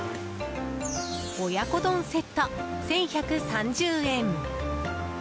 親子丼セット、１１３０円。